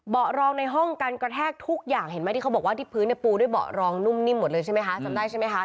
เบาะรองในห้องกันกระแทกทุกอย่างเห็นไหมที่เขาบอกว่าที่พื้นในปูด้วยเบาะรองนุ่มนิ่มหมดเลยใช่ไหมฮะ